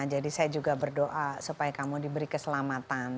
jadi saya juga berdoa supaya kamu diberi keselamatan